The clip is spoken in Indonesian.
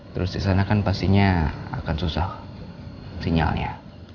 terus disana kan pastinya akan susah sinyalnya